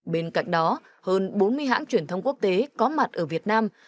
bên cạnh đó hơn bốn mươi hãng truyền thông quốc tế có mặt ở việt nam